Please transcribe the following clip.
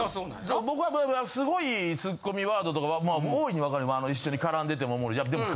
僕はすごいツッコミワードとかは大いに分かる一緒に絡んでてもでも。